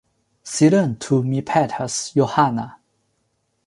Silentu, mi petas, Johana.